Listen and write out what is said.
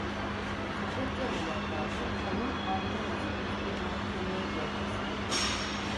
Çakırcalı lakabı, onun alnına yazılmış bir mahkûmiyet levhası idi.